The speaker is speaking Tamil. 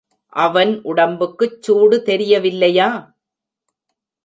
அவன் உடம்புக்குச் சூடு தெரியவில்லையா?